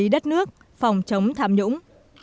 đất nước phòng chống tham nhũng